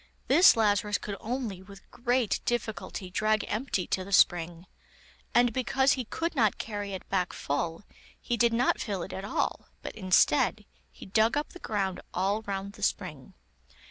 This Lazarus could only, with great difficulty, drag empty to the spring, and because he could not carry it back full, he did not fill it at all, but, instead, he dug up the ground all round the spring.